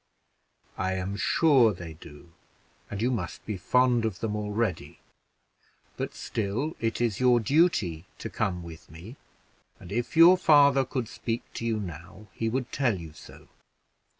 "I am sure they do, and that you must be fond of them already, but still it is your duty to come with me; and if your father could speak to you now, he would tell you so.